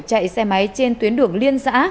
chạy xe máy trên tuyến đường liên xã